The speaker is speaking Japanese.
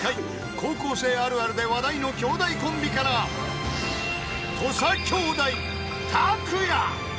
［高校生あるあるで話題の兄弟コンビから土佐兄弟］